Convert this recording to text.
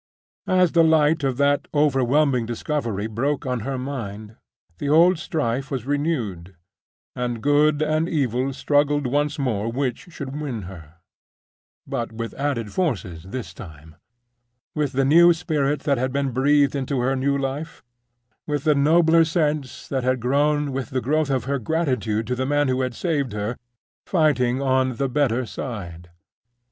As the light of that overwhelming discovery broke on her mind, the old strife was renewed; and Good and Evil struggled once more which should win her—but with added forces this time; with the new spirit that had been breathed into her new life; with the nobler sense that had grown with the growth of her gratitude to the man who had saved her, fighting on the better side.